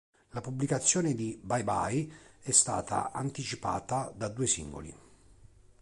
La pubblicazione di "Bye Bye" è stata anticipata da due singoli.